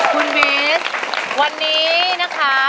คุณบีสวันนี้นะคะ